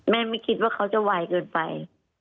ไม่คิดว่าเขาจะไวเกินไป